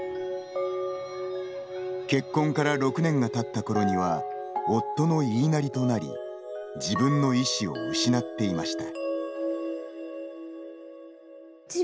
結婚から６年がたったころには夫の言いなりとなり自分の意思を失っていました。